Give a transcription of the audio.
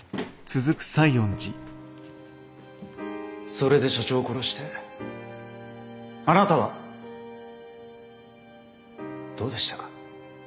それで社長を殺してあなたはどうでしたか？